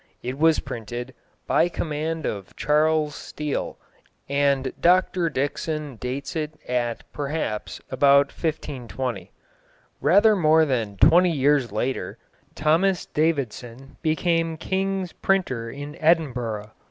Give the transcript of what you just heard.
It was printed "by command of Charles Steele," and Dr Dickson dates it at (perhaps) about 1520. Rather more than twenty years later, Thomas Davidson became King's Printer in Edinburgh.